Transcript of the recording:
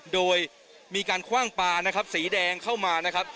โดยมีการคว่างปลานะครับสีแดงเข้ามานะครับ